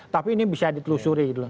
tapi ini bisa ditelusuri gitu loh